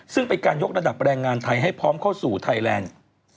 ซึ่งเป็นการยกระดับแรงงานไทยให้พร้อมเข้าสู่ไทยแลนด์